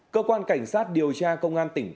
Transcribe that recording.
cơ quan cảnh sát điều tra công an tỉnh quảng bình